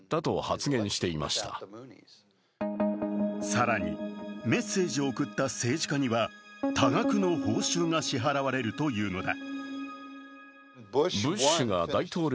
更に、メッセージを送った政治家には多額の報酬が支払われるというのだ。